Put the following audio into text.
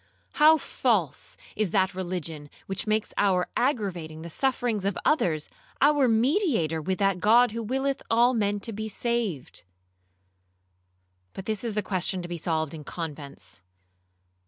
how false is that religion which makes our aggravating the sufferings of others our mediator with that God who willeth all men to be saved. But this is a question to be solved in convents.